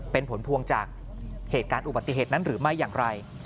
เป็นผลพวงจากเหตุการณ์อุบัติเหตุนั้นหรือไม่อย่างไร